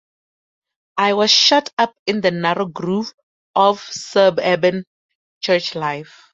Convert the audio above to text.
I was shut up in the narrow groove of suburban church life.